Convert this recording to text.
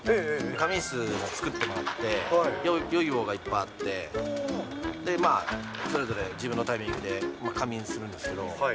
仮眠室作ってもらって、ヨギボーがいっぱいあって、それぞれ自分のタイミングで仮眠するんですけど。